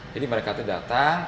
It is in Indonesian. jadi mereka datang